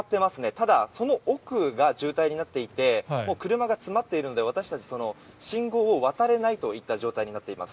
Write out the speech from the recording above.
ただ、その奥が渋滞になっていて車が詰まっているので私たち信号を渡れないという状態になっています。